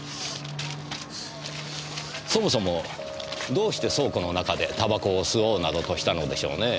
そもそもどうして倉庫の中で煙草を吸おうなどとしたのでしょうねぇ。